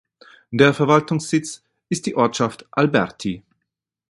Der Verwaltungssitz ist die Ortschaft Alberti.